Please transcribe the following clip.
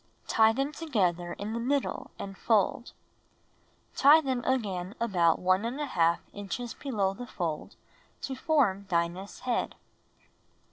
Tie them together in the middle and fold. 2. Tie them again about 1| inches below the fold to form Dinah's head.